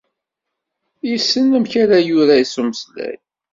Yessen amek ara yurar s umeslay.